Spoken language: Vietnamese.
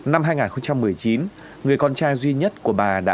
năm hai nghìn một mươi chín người con trai duy nhất của bà đã khai sát